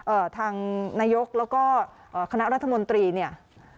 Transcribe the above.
ทางนายกแล้วก็เอ่อคณะรัฐมนตรีเนี่ย